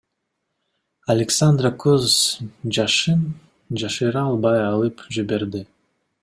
Александра көз жашын жашыра албай ыйлап жиберди.